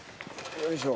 よいしょ。